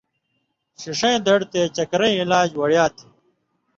ݜِݜَیں دڑ تے چکرَیں علاج وڑیا تھی